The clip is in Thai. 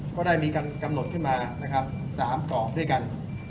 ก็ได้มีกำหนดขึ้นมา๓กรอบด้วยกัน